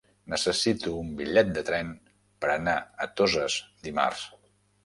Necessito un bitllet de tren per anar a Toses dimarts.